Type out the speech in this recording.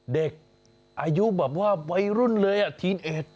เด็กอายุแบบว่าวัยรุ่นเลยทีนเอ็ด